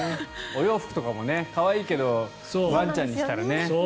お洋服とかも可愛いけどワンちゃんにしたらね。